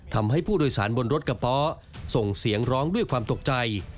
ทำให้ผู้โดยสารบนรถกระเพาะส่งเสียงร้องด้วยความตกใจ